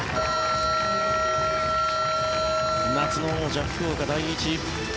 夏の王者、福岡第一。